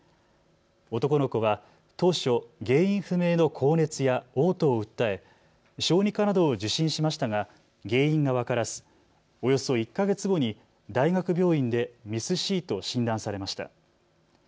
男の子は当初、原因不明の高熱やおう吐を訴え、小児科などを受診しましたが原因が分からずおよそ１か月後に大学病院でＭＩＳ−Ｃと診断されました。